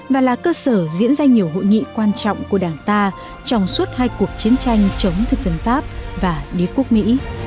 và là cơ sở diễn ra nhiều hội nghị quan trọng của đảng ta trong suốt hai cuộc chiến tranh chống thực dân pháp và đế quốc mỹ